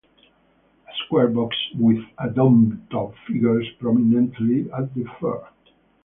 A square box with a domed top figures prominently at the fair.